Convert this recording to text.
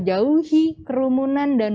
jauhi kerumunan dan